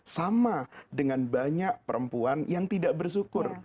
sama dengan banyak perempuan yang tidak bersyukur